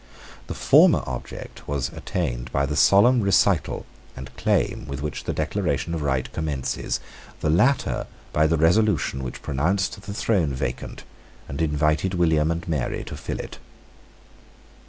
The former object was attained by the solemn recital and claim with which the Declaration of Right commences; the latter by the resolution which pronounced the throne vacant, and invited William and Mary to fill it.